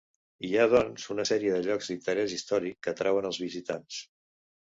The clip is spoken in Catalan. Hi ha, doncs, una sèrie de llocs d'interès històric que atrauen els visitants.